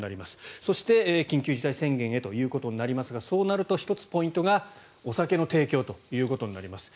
そして、緊急事態宣言へということになりますがそうなると、１つポイントがお酒の提供となります。